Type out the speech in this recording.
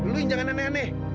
lo jangan aneh aneh